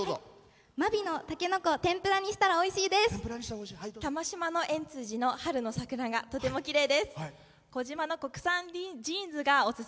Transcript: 真備のたけのこを天ぷらにしたらおいしいです。